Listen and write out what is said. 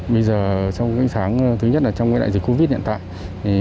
bây giờ trong cái tháng thứ nhất là trong cái đại dịch covid hiện tại